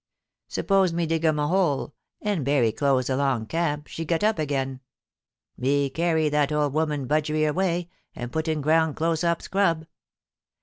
Suppose me dig em hole, and bury close along a camp, she get up again. Me carry that ole woman budgery way, and put in ground close up scrub."